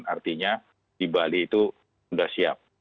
artinya di bali itu sudah siap